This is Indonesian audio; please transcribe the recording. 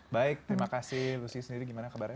baik terima kasih lucy sendiri gimana kabarnya